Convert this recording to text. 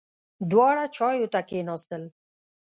دواړه چایو ته کېناستل.